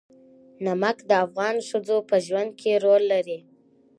نمک د افغان ښځو په ژوند کې رول لري.